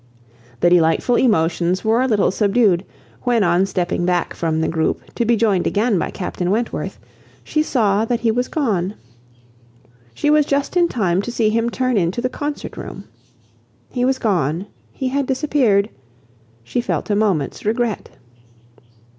The delightful emotions were a little subdued, when on stepping back from the group, to be joined again by Captain Wentworth, she saw that he was gone. She was just in time to see him turn into the Concert Room. He was gone; he had disappeared, she felt a moment's regret.